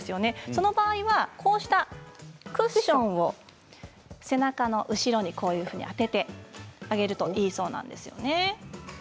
その場合はクッションを背中の後ろに当ててあげるといいそうなんですよね。